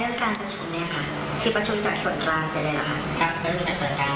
หรือเค้าเป็นคนนำประชุมใครเข้ารวมประชุมบ้าง